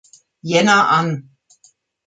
Jänner an.